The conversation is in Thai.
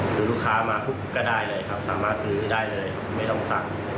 คือลูกค้ามาปุ๊บก็ได้เลยครับสามารถซื้อได้เลยไม่ต้องสั่ง